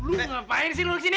lu ngapain sih lu disini ya